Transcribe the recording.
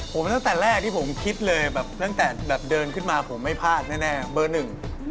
ผมตั้งแต่แรกที่ผมคิดเลยแบบตั้งแต่แบบเดินขึ้นมาผมไม่พลาดแน่เบอร์หนึ่ง